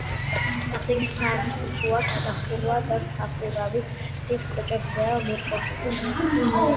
სახლის სართულშუა გადახურვა და სახურავი ხის კოჭებზეა მოწყობილი.